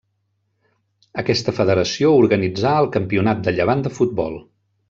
Aquesta federació organitzà el Campionat de Llevant de futbol.